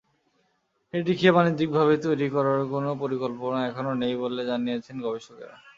এটিকে বাণিজ্যিকভাবে তৈরি করার কোনো পরিকল্পনা এখনো নেই বলে জানিয়েছেন গবেষকেরা।